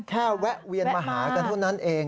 แวะเวียนมาหากันเท่านั้นเอง